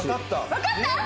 わかった？